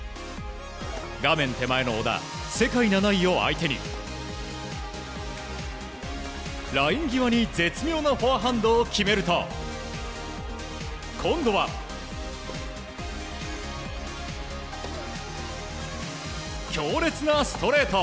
画面手前の小田世界７位を相手にライン際に絶妙なフォアハンドを決めると今度は強烈なストレート。